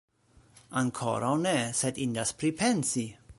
Ankoraŭ ne, sed indas pripensi!